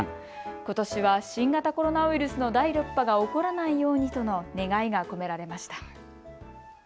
ことしは新型コロナウイルスの第６波が起こらないようにとの願いが込められました。